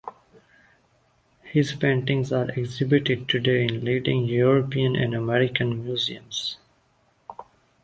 His paintings are exhibited today in leading European and American museums.